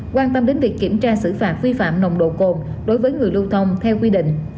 quan tâm đến việc kiểm tra xử phạt vi phạm nồng độ cồn đối với người lưu thông theo quy định